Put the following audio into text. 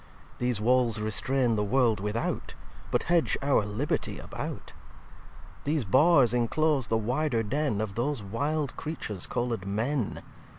these Walls restrain the World without, But hedge our Liberty about. These Bars inclose the wider Den Of those wild Creatures, called Men.